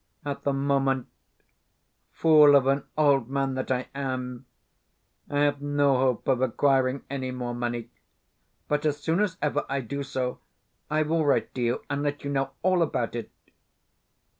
At the moment, fool of an old man that I am, I have no hope of acquiring any more money; but as soon as ever I do so, I will write to you and let you know all about it.